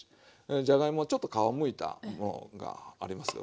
じゃがいもちょっと皮むいたものがありますよ